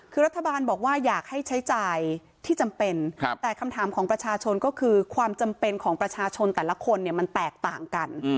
คือรัฐบาลบอกว่าอยากให้ใช้จ่ายที่จำเป็นแต่คำถามของประชาชนก็คือความจำเป็นของประชาชนแต่ละคนเนี่ยมันแตกต่างกัน